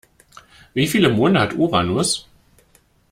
Wie viele Monde hat Uranus?